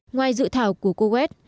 ngoài sự thảo của kuwait